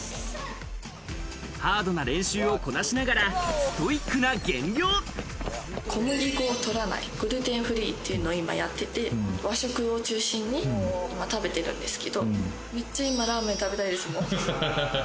ハードな練習をこなしながら、小麦粉を取らないグルテンフリーっていうのをやってて、和食を中心に食べてるんですけど、めっちゃ今ラーメン食べたいです。